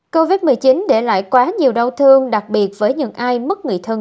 covid một mươi chín để lại quá nhiều đau thương đặc biệt với những ai mức người thân